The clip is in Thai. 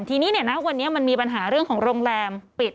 ทีนี้วันนี้มันมีปัญหาเรื่องของโรงแรมปิด